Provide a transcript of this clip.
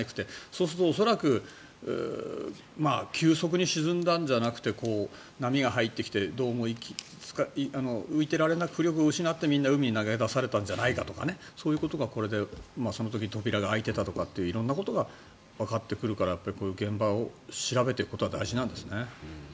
そうすると恐らく急速に沈んだんじゃなくて波が入ってきてどうも浮力を失ってみんな海に投げ出されたんじゃないかとかそういうことがその時、扉が開いていたとか色んなことがわかってくるからやっぱりこういう現場を調べることは大事なんですね。